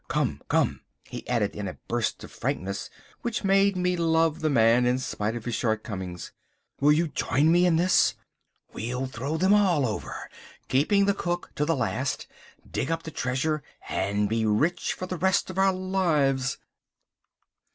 Come, come," he added in a burst of frankness which made me love the man in spite of his shortcomings, "will you join me in this? We'll throw them all over, keeping the cook to the last, dig up the treasure, and be rich for the rest of our lives."